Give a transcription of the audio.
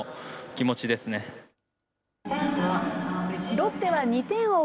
ロッテは２点を追う